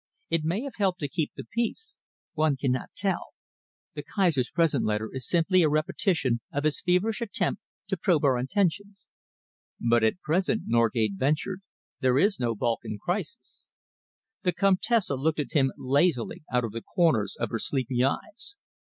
It may have helped to keep the peace. One cannot tell. The Kaiser's present letter is simply a repetition of his feverish attempt to probe our intentions." "But at present," Norgate ventured, "there is no Balkan Crisis." The Comtesse looked at him lazily out of the corners of her sleepy eyes.